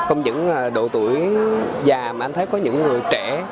không những độ tuổi già mà anh thấy có những người trẻ